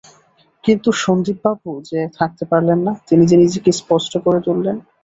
কিন্তু সন্দীপবাবু যে থাকতে পারলেন না, তিনি যে নিজেকে স্পষ্ট করে তুললেন।